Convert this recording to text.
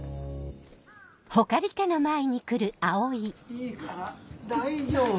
・いいから大丈夫・・